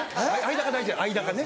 間が大事！